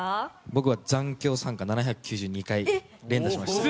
僕は「残響散歌」７９２回連打しました。